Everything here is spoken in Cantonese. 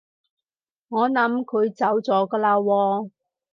我諗佢走咗㗎喇喎